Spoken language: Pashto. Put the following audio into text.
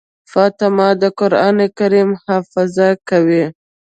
فاطمه د قرآن کريم حفظ کوي.